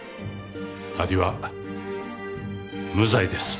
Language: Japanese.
アリは無罪です。